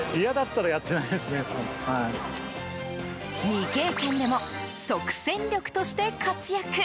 未経験でも即戦力として活躍。